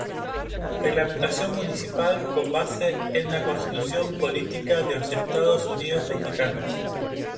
Reglamentación Municipal con base en la Constitución Política de los Estados Unidos Mexicanos.